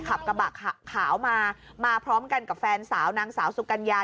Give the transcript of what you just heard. ขับกระบะขาวมามาพร้อมกันกับแฟนสาวนางสาวสุกัญญา